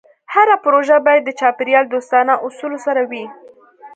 هره پروژه باید د چاپېریال دوستانه اصولو سره وي.